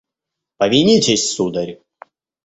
Повинитесь, сударь.